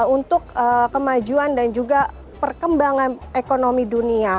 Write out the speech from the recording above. untuk kemajuan dan juga perkembangan ekonomi dunia